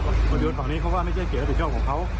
อะวิวนต์ฝั่งนี้เขาว่าไม่ใช่เขตผิดชอบของเขา